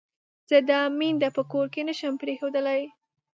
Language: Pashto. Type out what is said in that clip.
زه دا مينده په کور کې نه شم پرېښودلای.